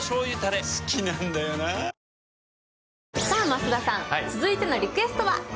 増田さん、続いてのリクエストは？